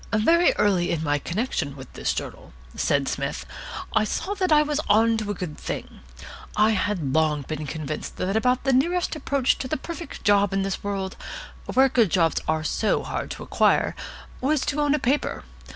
"Very early in my connection with this journal," said Psmith, "I saw that I was on to a good thing. I had long been convinced that about the nearest approach to the perfect job in this world, where good jobs are so hard to acquire, was to own a paper.